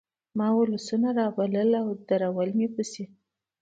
ما ولسونه رابلل او درول مې پسې